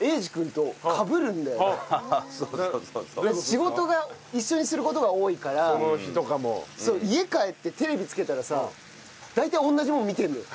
仕事が一緒にする事が多いから家帰ってテレビつけたらさ大体同じもの見てるのよ。